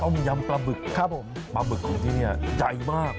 ยำปลาบึกครับผมปลาบึกของที่นี่ใหญ่มาก